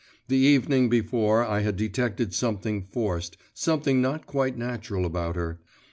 The evening before I had detected something forced, something not quite natural about her.